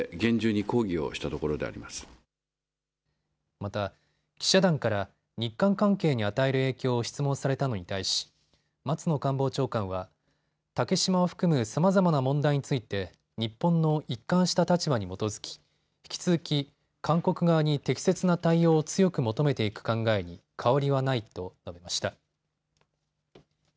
また記者団から日韓関係に与える影響を質問されたのに対し松野官房長官は竹島を含むさまざまな問題について日本の一貫した立場に基づき引き続き、韓国側に適切な対応を強く求めていく考えに変わりはないと述べました。